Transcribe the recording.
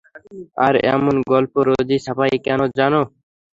আর এমন গল্প রোজই ছাপায়, কেন জানো?